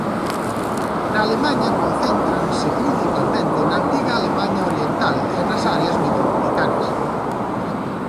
Na Alemaña concéntranse principalmente na antiga Alemaña Oriental e nas áreas metropolitanas.